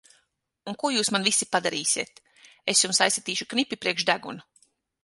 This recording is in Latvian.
Un ko jūs man visi padarīsit! Es jums aizsitīšu knipi priekš deguna!